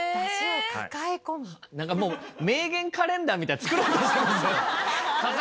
なんかもう「名言カレンダー」みたいなの作ろうとしてません？